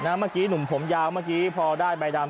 เมื่อกี้หนุ่มผมยาวเมื่อกี้พอได้ใบดำ